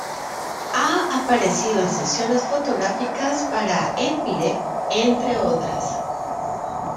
Ha aparecido en sesiones fotográficas para "Empire", entre otras...